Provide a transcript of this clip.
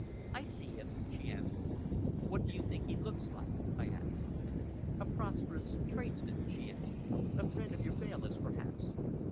"I see him," she answered. "What do you think he looks like?" I asked. "A prosperous tradesman," she answered. "A friend of your bailiff's, perhaps."